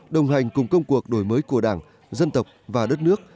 đồng hành cùng công cuộc đổi mới của đảng dân tộc và đất nước